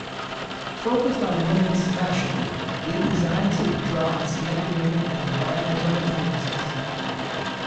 Focused on women's fashion, their designs draw on Scandinavian and environmental influences.